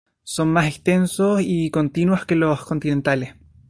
Son más extensos y continuos que los continentales.